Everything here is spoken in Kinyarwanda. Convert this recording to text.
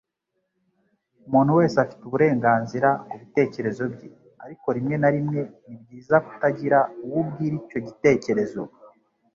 Umuntu wese afite uburenganzira kubitekerezo bye. Ariko, rimwe na rimwe, ni byiza kutagira uwo ubwira icyo gitekerezo